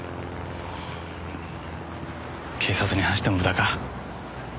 警察に話しても無駄か。